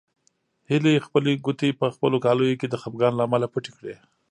هیلې خپلې ګوتې په خپلو کالیو کې د خپګان له امله پټې کړې.